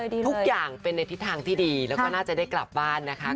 ทุกอย่างเป็นในทิศทางที่ดีแล้วก็น่าจะได้กลับบ้านนะคะ